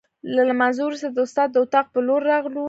له لمانځه وروسته د استاد د اتاق په لور راغلو.